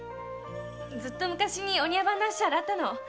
ずっと昔にお庭番の足洗ったの。